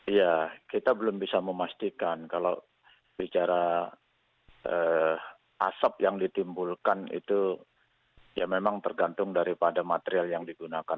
iya kita belum bisa memastikan kalau bicara asap yang ditimbulkan itu ya memang tergantung daripada material yang digunakan